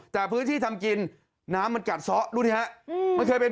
แต่พื้นที่ทำกินน้ำมันกัดซะรู้ไหมอืมมันเคยเป็น